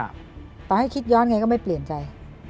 ตอนที่ได้คิดย้อนก็ไม่เปลี่ยนใจ